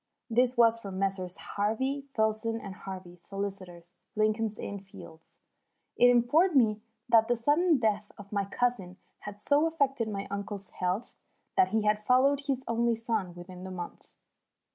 This was from Messrs. Harvey, Filson, and Harvey, solicitors, Lincoln's Inn Fields. It informed me that the sudden death of my cousin had so affected my uncle's health that he had followed his only son within the month.